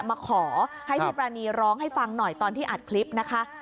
มาขอให้พี่ปรานีร้องให้ฟังหน่อยตอนที่อัดคลิปนะคะ